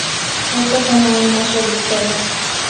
Estos son aún más reductores.